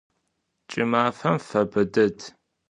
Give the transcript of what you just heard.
Ç'ımafem febe ded.